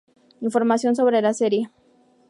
Información sobre la serie